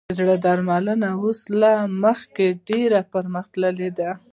د زړه درملنه اوس له مخکې ډېره پرمختللې ده.